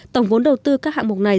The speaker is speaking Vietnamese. tổng vốn đầu tư các hạng mục này